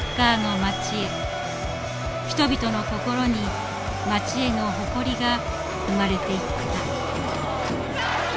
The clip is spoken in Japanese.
人々の心に町への誇りが生まれていった。